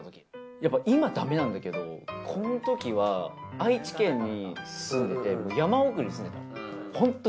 やっぱ今だめなんだけどこのときは愛知県に住んでて山奥に住んでたの。